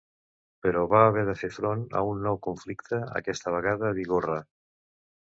Però va haver de fer front a un nou conflicte aquesta vegada a Bigorra.